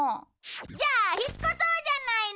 じゃあ引っ越そうじゃないの！